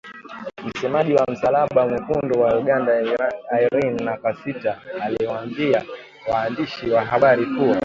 Msemaji wa Msalaba Mwekundu wa Uganda Irene Nakasita aliwaambia waandishi wa habari kuwa.